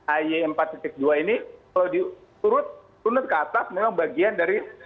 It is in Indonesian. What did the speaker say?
ay empat dua ini kalau diturut turut ke atas memang bagian dari